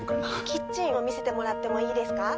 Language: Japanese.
キッチンを見せてもらってもいいですか？